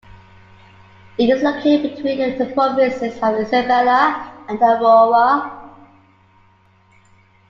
It is located between the provinces of Isabela and Aurora.